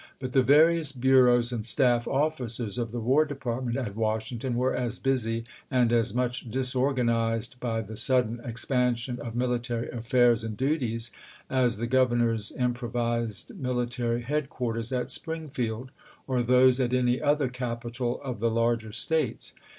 But the various bureaus and staff officers of the War De partment at Washington were as busy and as much disorganized by the sudden expansion of military affairs and duties as the Governor's improvised military headquarters at Springfield, or those at any other capital of the larger States.